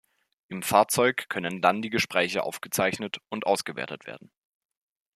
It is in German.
Im Fahrzeug können dann die Gespräche aufgezeichnet und ausgewertet werden.